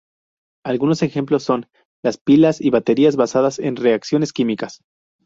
Algunos ejemplos son: las pilas y baterías basadas en reacciones químicas.